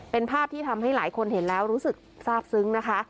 เป็นภาพที่ทำให้หลายคนเห็นแล้วรู้สึกทราบซึ้งนะคะ